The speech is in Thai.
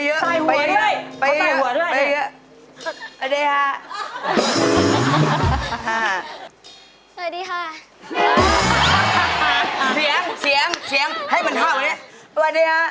เยอะเขาไซ่หัวด้วย